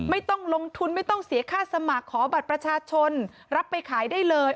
ไม่ต้องลงทุนไม่ต้องเสียค่าสมัครขอบัตรประชาชนรับไปขายได้เลย